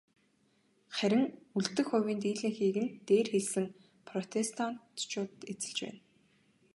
Харин үлдэх хувийн дийлэнхийг нь дээр хэлсэн протестантчууд эзэлж байна.